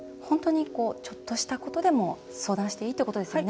ちょっとしたことでも相談していいってことですね。